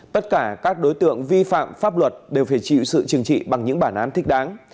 tất cả các đối tượng vi phạm pháp luật đều phải chịu sự trừng trị bằng những bản án thích đáng